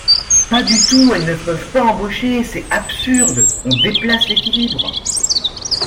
Pas du tout : elles ne peuvent pas embaucher ! C’est absurde ! On déplace l’équilibre.